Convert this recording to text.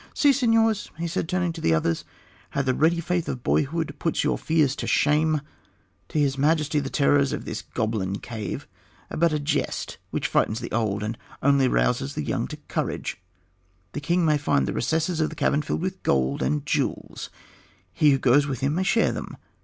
See, señors," he said, turning to the others, "how the ready faith of boyhood puts your fears to shame. To his Majesty the terrors of this goblin cave are but a jest which frightens the old and only rouses the young to courage. The king may find the recesses of the cavern filled with gold and jewels; he who goes with him may share them.